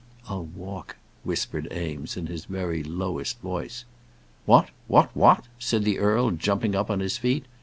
"I'll walk," whispered Eames, in his very lowest voice. "What what what?" said the earl, jumping up on his feet.